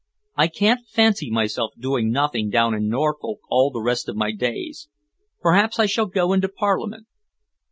I can't fancy myself doing nothing down in Norfolk all the rest of my days. Perhaps I shall go into Parliament."